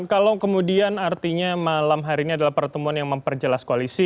kalau kemudian artinya malam hari ini adalah pertemuan yang memperjelas koalisi